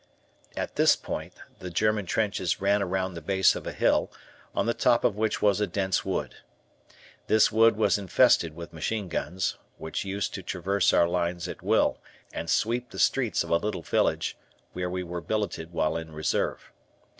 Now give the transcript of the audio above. At this point the German trenches ran around the base of a hill, on the top of which was a dense wood. This wood was infested with machine guns, which used to traverse our lines at will, and sweep the streets of a little village, where we were billeted while in reserve.